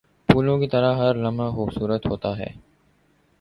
پھولوں کی طرح ہر لمحہ خوبصورت ہوتا ہے۔